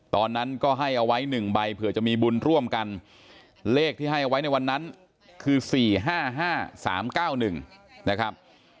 ตอนนั้นก็ให้เอาไว้๑ใบเผื่อจะมีบุญร่วมกันเลขที่ให้เอาไว้ในวันนั้นคือ๔๕๕๓๙๑นะครับ